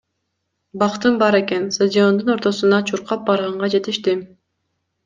Бактым бар экен, стадиондун ортосуна чуркап барганга жетиштим.